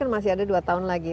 masih ada dua tahun lagi